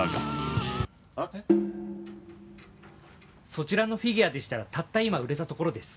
そちらのフィギュアでしたらたった今売れたところです。